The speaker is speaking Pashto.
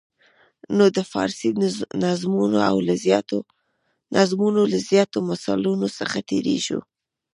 نو د فارسي نظمونو له زیاتو مثالونو څخه تېریږو.